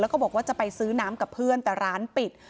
แล้วก็บอกว่าจะไปซื้อน้ำกับเพื่อนแต่ร้านปิด